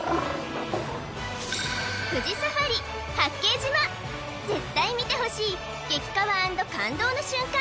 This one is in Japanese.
富士サファリ八景島絶対見てほしい激カワ＆感動の瞬間